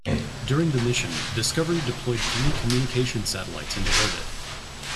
During the mission, "Discovery" deployed three communications satellites into orbit.